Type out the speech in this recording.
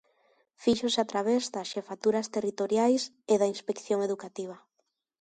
Fíxose a través das xefaturas territoriais e da Inspección educativa.